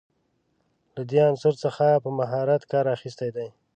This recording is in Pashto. له دې عنصر څخه په مهارت کار اخیستی دی.